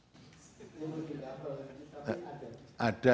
mungkin dikurangi tapi ada